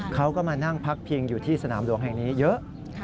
เขาก็มานั่งพักพิงอยู่ที่สนามหลวงแห่งนี้เยอะ